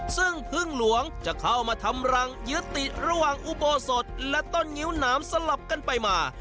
ซึ่งพึ่งหลวงจะเข้ามาทำรังยึดติดระหว่างอุโบสถและต้นงิ้วน้ำสลับกันไปมา